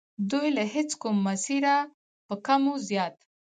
دوی له هیچ کوم مسیره په کم و زیات.